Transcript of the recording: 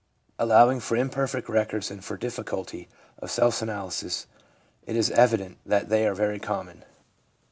Allowing for im perfect records and for difficulty of self analysis, it is evident that they are very common.